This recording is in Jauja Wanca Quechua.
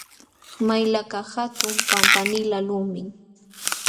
Malaykaq hatun pampanilaq lumim.